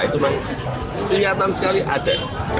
itu memang kelihatan sekali ada